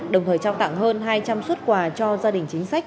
đồng thời trao tặng hơn hai trăm linh xuất quà cho gia đình chính sách